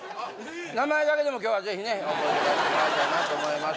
名前だけでも今日はぜひね覚えて帰ってもらいたいなと思います